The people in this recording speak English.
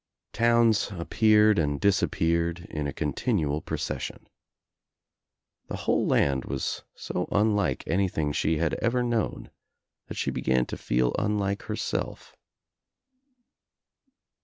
Towns appeared and disappeared in a continual procession. The whole land was so unlike anything she had ever known that she began to feel unlike herself.